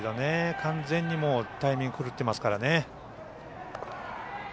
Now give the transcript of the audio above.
完全にタイミング狂ってますから。